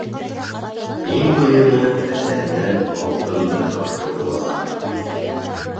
Иң ҡыйыны әсәһенән алтынды таптырыу буласаҡ.